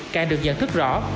càng được nhận thức rõ